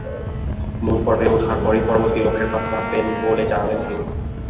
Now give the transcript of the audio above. মূল পর্বে ওঠার পরই পরবর্তী লক্ষ্যের কথা ভাববেন বলেও জানালেন তিনি।